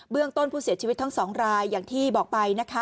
เบื้องต้นผู้เสียชีวิตทั้งสองรายอย่างที่บอกไป